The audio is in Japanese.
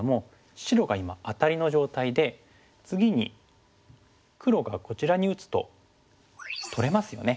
白が今アタリの状態で次に黒がこちらに打つと取れますよね。